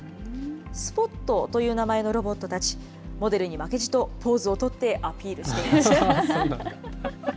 スポットという名前のロボットたち、モデルに負けじとポーズを取ってアピールしていました。